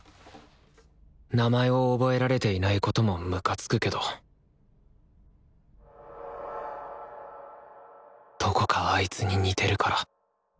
名前を覚えられていないこともムカつくけどどこかあいつに似てるから。